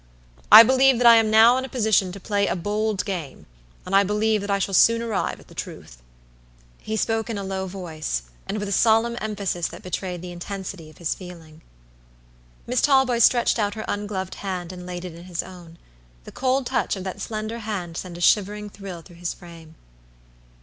I believe that I am now in a position to play a bold game, and I believe that I shall soon arrive at the truth." He spoke in a low voice, and with a solemn emphasis that betrayed the intensity of his feeling. Miss Talboys stretched out her ungloved hand, and laid it in his own. The cold touch of that slender hand sent a shivering thrill through his frame.